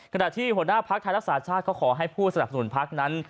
ขณะที่หัวหน้าภักดิ์ไทยรักษาชาติก็ขอให้ผู้สนับสนุนพักนั้น